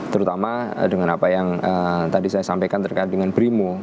terutama dengan apa yang tadi saya sampaikan terkait dengan brimo